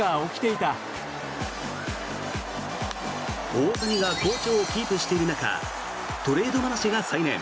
大谷が好調をキープしている中トレード話が再燃。